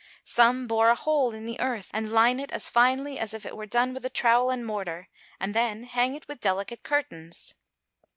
Some bore a hole in the earth, and line it as finely as if it were done with the trowel and mortar, and then hang it with delicate curtains.